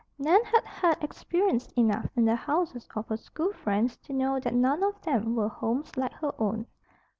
Nan had had experience enough in the houses of her school friends to know that none of them were homes like her own.